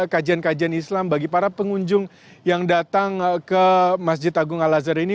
kajian kajian islam bagi para pengunjung yang datang ke masjid agung al azhar ini